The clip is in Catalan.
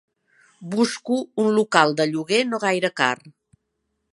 Busco un local de lloguer no gaire car.